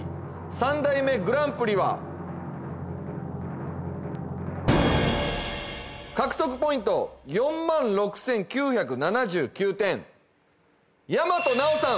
３代目グランプリは獲得ポイント４６９７９点大和奈央さん